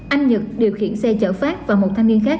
anh nhật điều khiển xe chở phát và một thanh niên khác